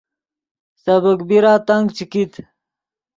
سبیک بیرا تنگ چے کیت